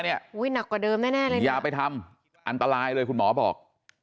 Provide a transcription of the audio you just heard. หนักกว่าเดิมแน่เลยอย่าไปทำอันตรายเลยคุณหมอบอก